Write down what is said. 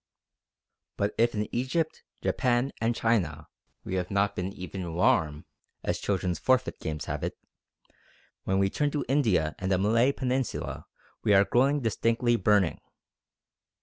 But if in Egypt, Japan, and China we have not been even "warm" as children's forfeit games have it, when we turn to India and the Malay Peninsula we are growing distinctly "burning."